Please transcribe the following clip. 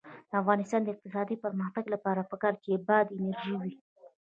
د افغانستان د اقتصادي پرمختګ لپاره پکار ده چې باد انرژي وي.